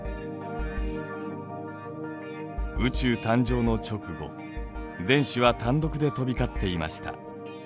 宇宙誕生の直後電子は単独で飛び交っていました。